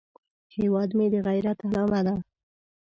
هیواد مې د غیرت علامه ده